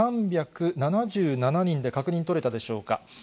２３７７人で、確認取れたでしょうか。